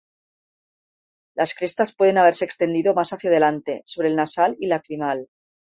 Las crestas pueden haberse extendido más hacia adelante, sobre el nasal y lacrimal.